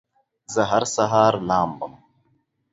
زه هر سهار لامبم